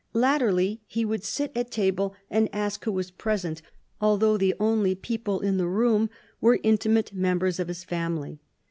Latterly, he would sit at table and ask who was present, although the only people in the room were intimate members of his family.